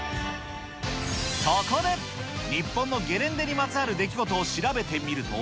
そこで日本のゲレンデにまつわる出来事を調べてみると。